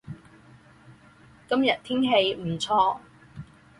今天天气不错